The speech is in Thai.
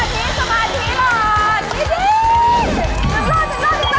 ๑รอบ